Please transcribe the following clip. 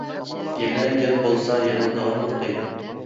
يەنە گەپ بولسا يەنە داۋاملىق دەيمەن.